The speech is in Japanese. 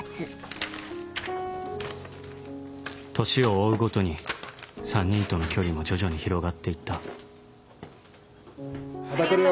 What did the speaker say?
年を追うごとに３人との距離も徐々に広がって行ったまた来るよ。